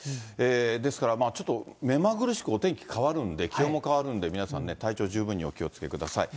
ですから、まあちょっと、目まぐるしくお天気変わるんで、気温も変わるんで、皆さん体調十分にお気をつけください。